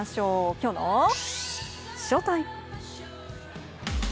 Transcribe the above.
きょうのＳＨＯＴＩＭＥ！